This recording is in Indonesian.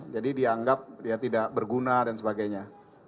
jadi dianggap tidak berguna dan sebagainya